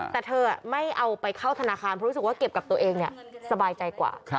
แต่เธอไม่เอาไปเข้าธนาคารเพราะรู้สึกว่าเก็บกับตัวเองสบายใจกว่า